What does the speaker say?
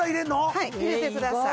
はい入れてください